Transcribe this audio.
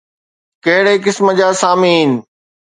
ڪهڙي قسم جا سامعين؟